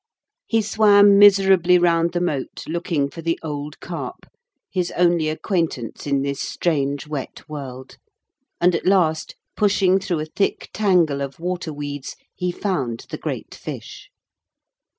He swam miserably round the moat looking for the old Carp, his only acquaintance in this strange wet world. And at last, pushing through a thick tangle of water weeds he found the great fish.